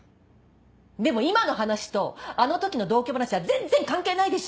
でも今の話とあの時の同居話は全然関係ないでしょ！